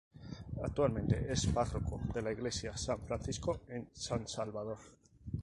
Actualmente es párroco de la iglesia San Francisco en San Salvador.